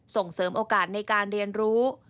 ส่งเสริมโอกาสในการเรียนรู้